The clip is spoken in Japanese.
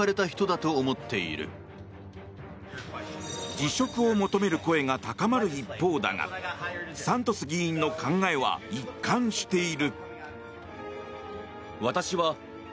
辞職を求める声が高まる一方だがサントス議員の考えは一貫している。